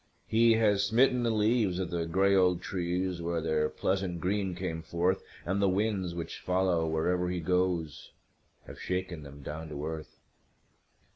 He has smitten the leaves of the gray old trees where their pleasant green came forth, And the winds, which follow wherever he goes, have shaken them down to earth.